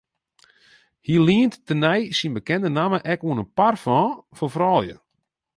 Hy lient tenei syn bekende namme ek oan in parfum foar froulju.